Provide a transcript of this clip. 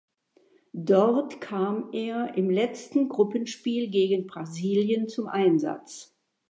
Dort kam er im letzten Gruppenspiel gegen Brasilien zum Einsatz.